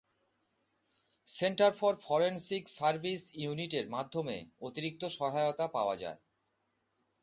Centre এর forensic service ইউনিটের মাধ্যমে অতিরিক্ত সহায়তা পাওয়া যায়।